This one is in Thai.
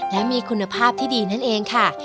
และมีคุณภาพที่ดีนั่นเองค่ะ